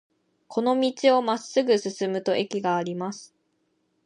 この道をまっすぐ進むと駅があります。